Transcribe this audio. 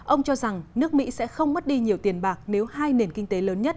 ông cho rằng nước mỹ sẽ không mất đi nhiều tiền bạc nếu hai nền kinh tế lớn nhất